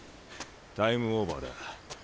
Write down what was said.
タイムオーバーだ。